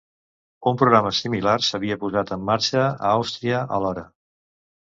Un programa similar s'havia posat en marxa a Àustria alhora.